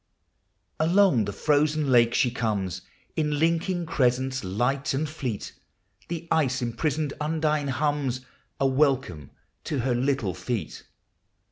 Along the frozen lake she comes In linking crescents, light and fleet; The ice imprisoned L^ndine hums A welcome to her little feet.